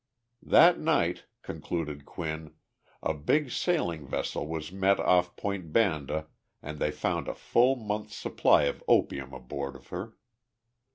"That night," concluded Quinn, "a big sailing vessel was met off Point Banda and they found a full month's supply of opium aboard of her.